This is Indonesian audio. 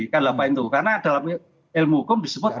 karena dalam ilmu hukum disebut